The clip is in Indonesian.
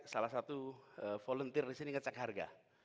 salah satu volunteer disini cek harga